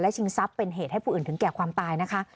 ชิงทรัพย์เป็นเหตุให้ผู้อื่นถึงแก่ความตายนะคะ